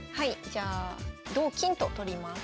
じゃあ同金と取ります。